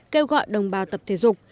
kêu gọi đồng bào tập thể dục